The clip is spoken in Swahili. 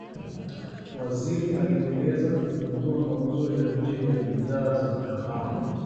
Waziri alieleza kupungua mauzo ya nje ya bidhaa za kahawa